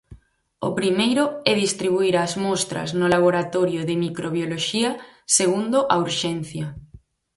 O primeiro é distribuír as mostras no laboratorio de microbioloxía segundo a urxencia.